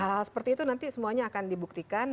hal hal seperti itu nanti semuanya akan dibuktikan